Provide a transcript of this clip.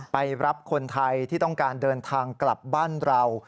ไปรับคนไทยที่ต้องการเดินทางกลับบ้านเรา